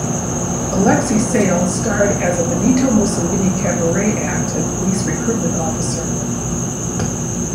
Alexei Sayle starred as a Benito Mussolini cabaret act and police recruitment officer.